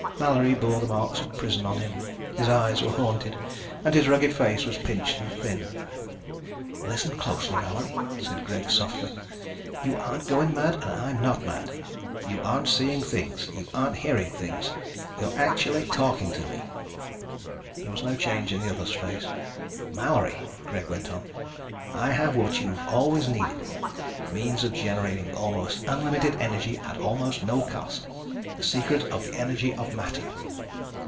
Mallory bore the marks of prison on him. His eyes were haunted and his rugged face was pinched and thin. "Listen closely, Mallory," said Greg softly. "You aren't going mad and I'm not mad. You aren't seeing things. You aren't hearing things. You're actually talking to me." There was no change in the other's face. "Mallory," Greg went on, "I have what you've always needed means of generating almost unlimited energy at almost no cost, the secret of the energy of matter.